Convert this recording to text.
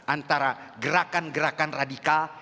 antara gerakan gerakan radikal